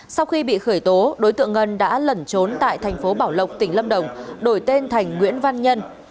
sau khi bị khởi tố đối tượng ngân đã lẩn trốn tại thành phố bảo lộc tỉnh lâm đồng đổi tên thành nguyễn văn nhân